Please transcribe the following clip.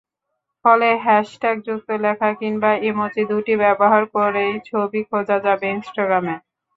ফলে হ্যাশট্যাগযুক্ত লেখা কিংবা ইমোজি—দুটি ব্যবহার করেই ছবি খোঁজা যাবে ইনস্টাগ্রামে।